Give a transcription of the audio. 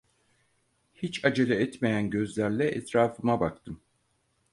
Hiç acele etmeyen gözlerle etrafıma baktım.